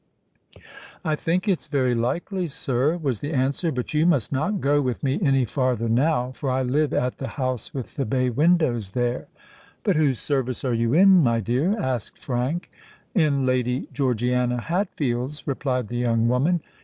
"I think it's very likely, sir," was the answer. "But you must not go with me any farther now—for I live at the house with the bay windows there." "But whose service are you in, my dear?" asked Frank. "In Lady Georgiana Hatfield's," replied the young woman.